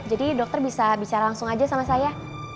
jadi dokter bisa bicara langsung aja sama saya